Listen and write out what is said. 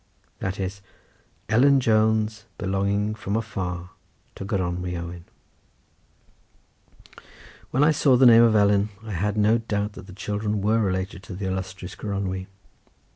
That is "Ellen Jones belonging from afar to Gronwy Owen." When I saw the name of Ellen I had no doubt that the children were related to the illustrious Gronwy.